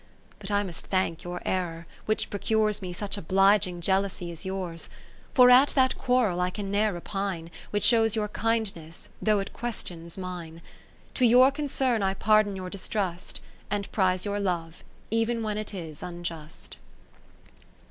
But I must thank your error, which procures Me such obliging jealousy as yours. For at that quarrel I can ne'er repine, Which shows your kindness, though it questions mine. To your concern I pardon your dis trust, And prize your love, ev'n when it is unjust.